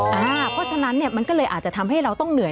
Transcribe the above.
เพราะฉะนั้นมันก็เลยอาจจะทำให้เราต้องเหนื่อย